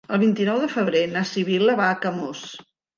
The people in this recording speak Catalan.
El vint-i-nou de febrer na Sibil·la va a Camós.